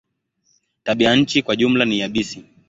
Tabianchi kwa jumla ni yabisi.